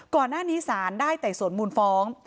ก่อนหน้านี้สารได้ไต่สวนมูลฟ้อง